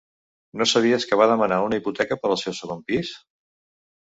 No sabies que va demanar una hipoteca per al seu segon pis?